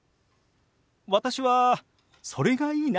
私はそれがいいな。